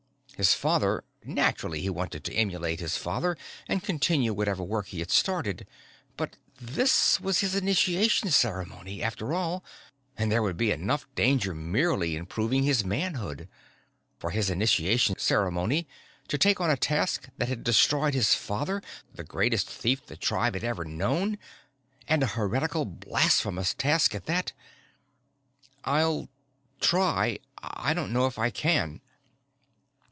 His father naturally, he wanted to emulate his father and continue whatever work he had started. But this was his initiation ceremony, after all, and there would be enough danger merely in proving his manhood. For his initiation ceremony to take on a task that had destroyed his father, the greatest thief the tribe had ever known, and a heretical, blasphemous task at that.... "I'll try. I don't know if I can."